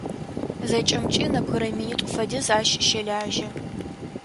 Зэкӏэмкӏи нэбгырэ минитӏу фэдиз ащ щэлажьэ.